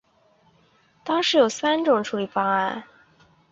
当时有三种处理方案。